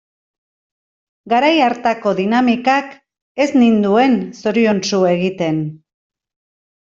Garai hartako dinamikak ez ninduen zoriontsu egiten.